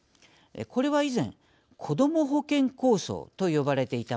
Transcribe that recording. これは以前こども保険構想と呼ばれていたものです。